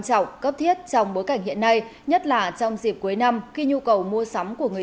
trọng cấp thiết trong bối cảnh hiện nay nhất là trong dịp cuối năm khi nhu cầu mua sắm của người